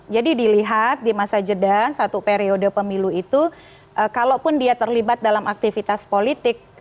jadi dilihat di masa jeda satu periode pemilu itu kalaupun dia terlibat dalam aktivitas politik